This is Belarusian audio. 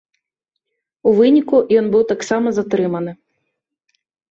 У выніку, ён быў таксама затрыманы.